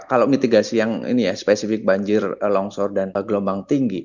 kalau mitigasi yang ini ya spesifik banjir longsor dan gelombang tinggi